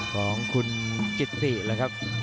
ของคุณกิติเลยครับ